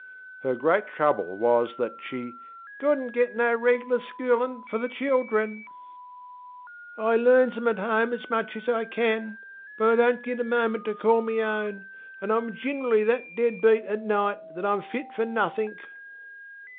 Her great trouble was that she ŌĆścouldnŌĆÖt git no regŌĆÖlar schoolinŌĆÖ for the children. ŌĆÖ ŌĆśI learns ŌĆÖem at home as much as I can. But I donŌĆÖt git a minute to call me own; anŌĆÖ IŌĆÖm ginerally that dead beat at night that IŌĆÖm fit for nothink.